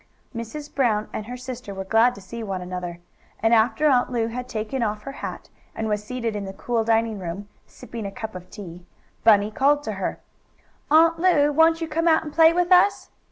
Mrs. Brown and her sister were glad to see one another, and after Aunt Lu had taken off her hat, and was seated In the cool dining room, sipping a cup of tea, Bunny called to her: "Aunt Lu, won't you come out and play with us?"